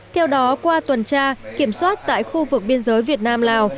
theo đó qua tuần tra kiểm soát tại khu vực biên giới việt nam lào